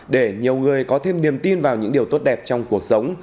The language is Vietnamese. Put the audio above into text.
để nhiều người có thêm niềm tin vào những điều tốt đẹp trong cuộc sống